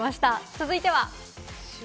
続いては。